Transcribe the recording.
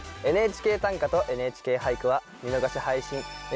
「ＮＨＫ短歌」と「ＮＨＫ俳句」は見逃し配信